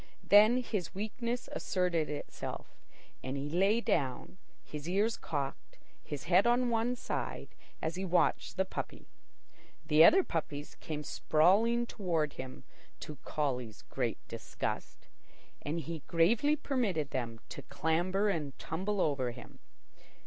Then his weakness asserted itself, and he lay down, his ears cocked, his head on one side, as he watched the puppy. The other puppies came sprawling toward him, to Collie's great disgust; and he gravely permitted them to clamber and tumble over him.